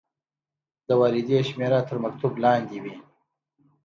د واردې شمیره تر مکتوب لاندې وي.